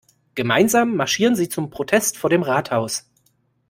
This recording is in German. Gemeinsam marschieren sie zum Protest vor dem Rathaus.